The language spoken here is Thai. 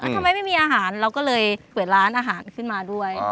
ทำไมไม่มีอาหารเราก็เลยเปิดร้านอาหารขึ้นมาด้วย